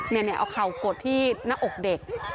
เอาเข่ากดที่หน้าอกเด็ก